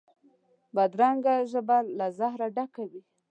بدرنګه ژبه له زهره ډکه وي